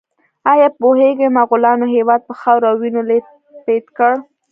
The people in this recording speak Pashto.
ایا پوهیږئ مغولانو هېواد په خاورو او وینو لیت پیت کړ؟